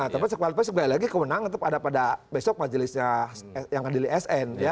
tapi sekeluar keluar kemenangan tetap ada pada besok majelisnya yang hadirin sn